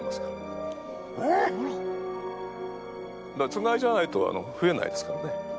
つがいじゃないとふえないですからね。